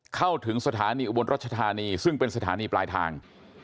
เข้าถึงสถานีอุบลรัชธานีซึ่งเป็นสถานีปลายทาง